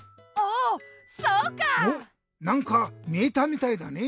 おっなんかみえたみたいだね。